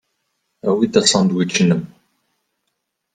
Awi-d asandwič-nnem.